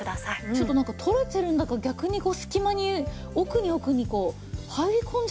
ちょっとなんか取れてるんだか逆に隙間に奥に奥に入り込んじゃってる感じがして。